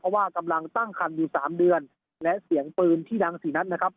เพราะว่ากำลังตั้งคันอยู่สามเดือนและเสียงปืนที่ดังสี่นัดนะครับ